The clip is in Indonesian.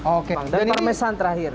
oke dan parmesan terakhir